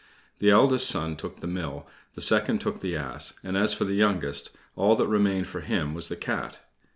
The eldest son took the mill, the second took the ass and as for the youngest, all that remained for him was the cat.